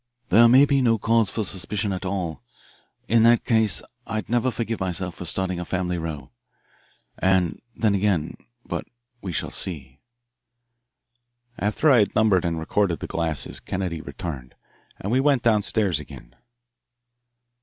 There may be no cause for suspicion at all. In that case I'd never forgive myself for starting a family row. And then again but we shall see." After I had numbered and recorded the glasses Kennedy returned, and we went down stairs again.